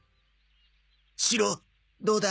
シロどうだ？